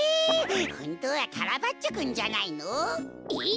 ほんとはカラバッチョくんじゃないの？えっ？